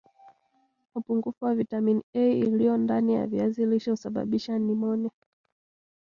upungufu wa vitamini A iliyo ndani ya viazi lishe husababisha nimonia